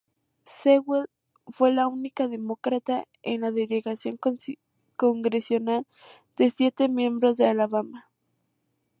Sewell fue la única demócrata en la delegación congresional de siete miembros de Alabama.